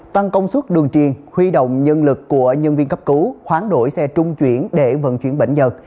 tăng công suất đường triền huy động nhân lực của nhân viên cấp cứu khoán đổi xe trung chuyển để vận chuyển bệnh giật